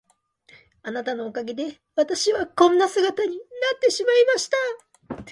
あなたのおかげで私はこんな姿になってしまいました。